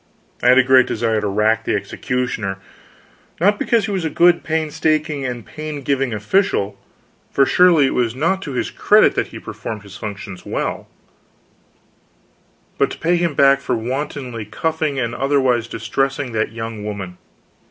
I had a great desire to rack the executioner; not because he was a good, painstaking and paingiving official, for surely it was not to his discredit that he performed his functions well but to pay him back for wantonly cuffing and otherwise distressing that young woman.